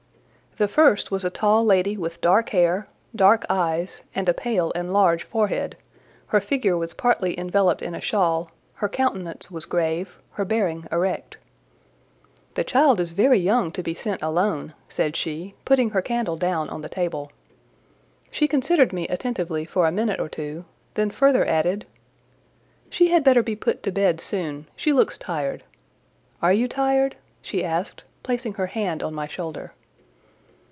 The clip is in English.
The first was a tall lady with dark hair, dark eyes, and a pale and large forehead; her figure was partly enveloped in a shawl, her countenance was grave, her bearing erect. "The child is very young to be sent alone," said she, putting her candle down on the table. She considered me attentively for a minute or two, then further added— "She had better be put to bed soon; she looks tired: are you tired?" she asked, placing her hand on my shoulder.